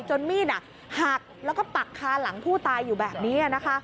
มีดหักแล้วก็ปักคาหลังผู้ตายอยู่แบบนี้นะคะ